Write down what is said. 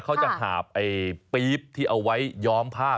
เขาจะหาบปี๊บที่เอาไว้ย้อมผ้า